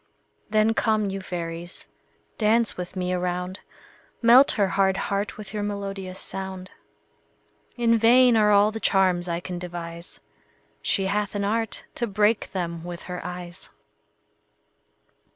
Then come, you fairies, dance with me a round; Melt her hard heart with your melodious sound. In vain are all the charms I can devise; She hath an art to break them with her eyes.